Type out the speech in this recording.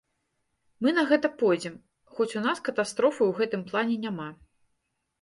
Мы на гэта пойдзем, хоць у нас катастрофы ў гэтым плане няма.